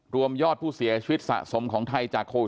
รวมยอดผู้เสียชีวิตสะสมของไทยจากโควิด